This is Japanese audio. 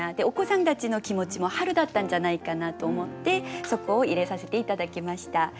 お子さんたちの気持ちも春だったんじゃないかなと思ってそこを入れさせて頂きました。